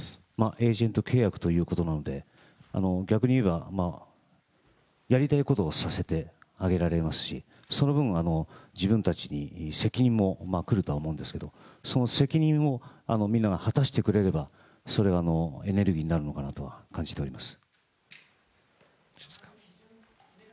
エージェント契約ということなので、逆にいえば、やりたいことをさせてあげられますし、その分、自分たちに責任も来るとは思うんですけれども、その責任をみんなが果たしてくれれば、エネルギーになるのかなとは感じております。